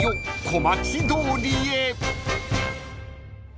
小町通り。